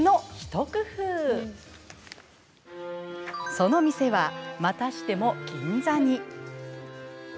その店はまたしても銀座に。